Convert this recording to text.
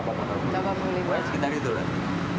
sekitar gitu kan